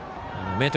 明徳